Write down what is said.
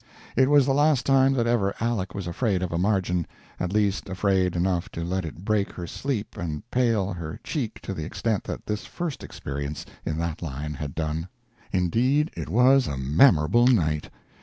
It was the last time that ever Aleck was afraid of a margin; at least afraid enough to let it break her sleep and pale her cheek to the extent that this first experience in that line had done. Indeed it was a memorable night.